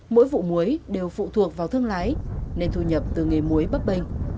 mỗi vụ muối đều phụ thuộc vào thương lái nên thu nhập từ nghề muối bất bình